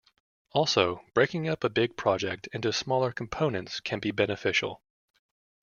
Also, breaking up a big project into smaller components can be beneficial.